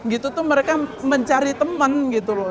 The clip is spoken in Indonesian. gitu tuh mereka mencari teman gitu loh